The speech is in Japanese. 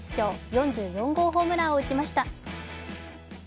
４４号ホームランを打ちました。